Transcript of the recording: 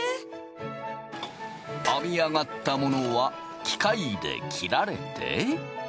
編み上がったものは機械で切られて。